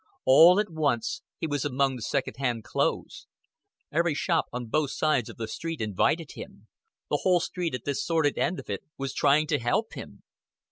All at once he was among the second hand clothes; every shop on both sides of the street invited him the whole street at this sordid end of it was trying to help him.